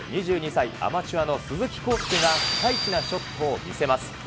２２歳、アマチュアの鈴木晃祐がピカイチなショットを見せます。